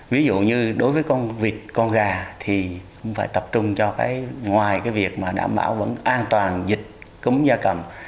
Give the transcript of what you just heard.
ví dụ như đối với con vịt con gà thì cũng phải tập trung cho cái ngoài cái việc mà đảm bảo vẫn an toàn dịch cúng da cầm